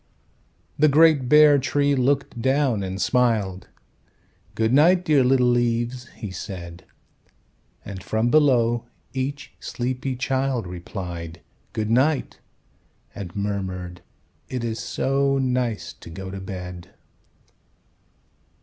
The great bare Tree looked down and smiled. "Good night, dear little leaves," he said. And from below each sleepy child Replied, "Good night," and murmured, "It is so nice to go to bed!"